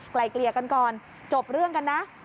ไกลเกลี่ยกันก่อนจบเรื่องกันนะ